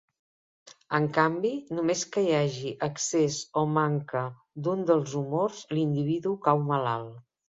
En canvi, només que hi hagi excés o manca d'un dels humors, l'individu cau malalt.